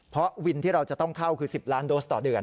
เพราะวินที่เราจะต้องเข้าคือ๑๐ล้านโดสต่อเดือน